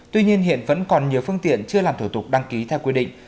tuy nhiên hiện vẫn còn nhiều phương tiện chưa làm thủ tục đăng ký theo quy định